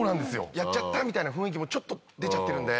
やっちゃったみたいな雰囲気もちょっと出ちゃってるんで。